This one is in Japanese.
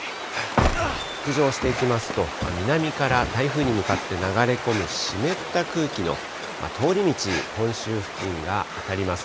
ただ、北上していきますと、南から台風に向かって流れ込む湿った空気の通り道に本州付近が当たります。